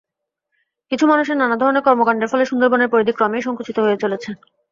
কিন্তু মানুষের নানা ধরনের কর্মকাণ্ডের ফলে সুন্দরবনের পরিধি ক্রমেই সংকুচিত হয়ে চলেছে।